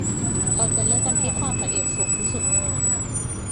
เราจะเลือกอันที่ความละเอียดสูงที่สุดมา